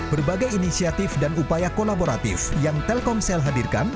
berbagai inisiatif dan upaya kolaboratif yang telkomsel hadirkan